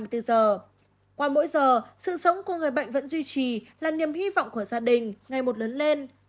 qua mỗi giờ sự sống của người bệnh vẫn duy trì là niềm hy vọng của gia đình ngày một lớn lên